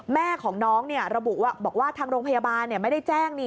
แม่ของน้องระบุบอกว่าทางโรงพยาบาลไม่ได้แจ้ง